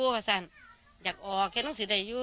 ไปหาด้วย